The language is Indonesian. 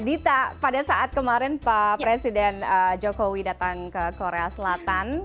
dita pada saat kemarin pak presiden jokowi datang ke korea selatan